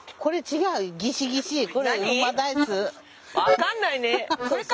分かんないね。